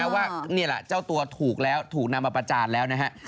ว่านี่แหละเจ้าตัวถูกแล้วถูกนำมาประจานแล้วนะฮะ